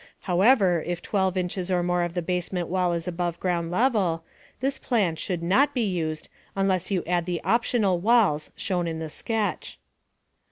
However, if 12 inches or more of the basement wall is above ground level, this plan should not be used unless you add the "optional walls" shown in the sketch.